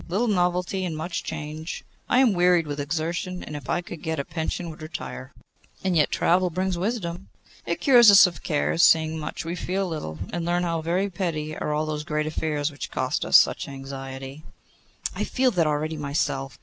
Little novelty and much change. I am wearied with exertion, and if I could get a pension would retire.' 'And yet travel brings wisdom.' 'It cures us of care. Seeing much we feel little, and learn how very petty are all those great affairs which cost us such anxiety.' 'I feel that already myself.